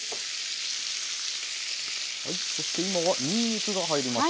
そして今はにんにくが入りました。